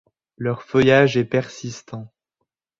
Leur feuillage est persistant.